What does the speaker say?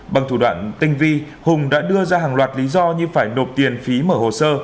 bằng thủ đoạn tinh vi hùng đã đưa ra hàng loạt lý do như phải nộp tiền phí mở hồ sơ